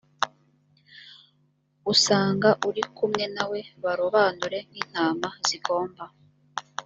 usanga uri kumwe nawe barobanure nk intama zigomba